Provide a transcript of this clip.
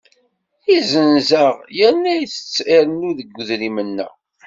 Izzenz-aɣ yerna itett irennu deg wedrim-nneɣ.